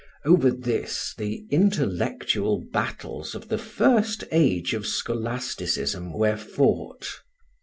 Over this the intellectual battles of the first age of Scholasticism were fought.